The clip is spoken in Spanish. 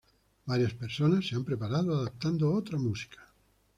Varias versiones se han preparado adaptando otra música.